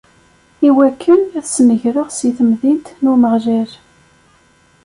Iwakken ad snegreɣ si temdint n Umeɣlal.